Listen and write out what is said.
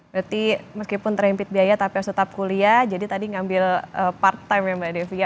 berarti meskipun terhimpit biaya tapi harus tetap kuliah jadi tadi ngambil part time ya mbak devi ya